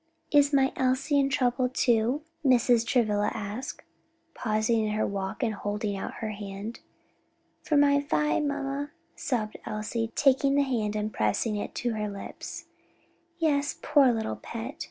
"Is my Elsie in trouble, too?" Mrs. Travilla asked, pausing in her walk and holding out her hand. "For my Vi, mamma," sobbed Elsie, taking the hand and pressing it to her lips. "Yes, poor little pet!